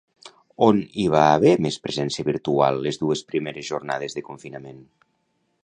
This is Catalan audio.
On hi va haver més presència virtual les dues primeres jornades de confinament?